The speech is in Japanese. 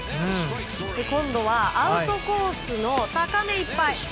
今度はアウトコースの高めいっぱい。